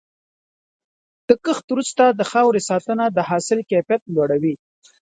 د کښت وروسته د خاورې ساتنه د حاصل کیفیت لوړوي.